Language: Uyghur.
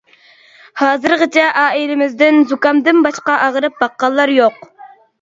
ھازىرغىچە ئائىلىمىزدىن زۇكامدىن باشقا ئاغرىپ باققانلار يوق.